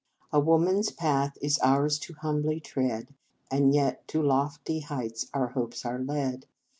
* A woman s path is ours to humbly tread, And yet to lofty heights our hopes are led.